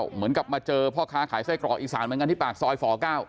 เหมือนกับมาเจอพ่อค้าขายไส้กรอกอีสานเหมือนกันที่ปากซอยฝ๙